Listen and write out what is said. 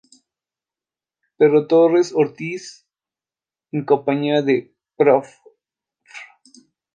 Pedro Torres Ortiz, en compañía del Profr.